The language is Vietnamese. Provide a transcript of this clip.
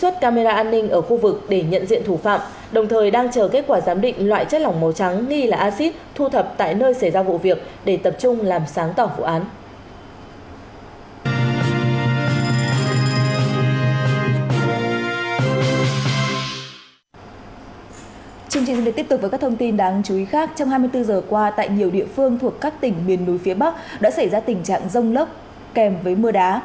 trong hai mươi bốn giờ qua tại nhiều địa phương thuộc các tỉnh miền núi phía bắc đã xảy ra tình trạng rông lớp kèm với mưa đá